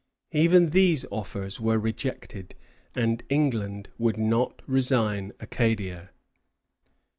Even these offers were rejected, and England would not resign Acadia.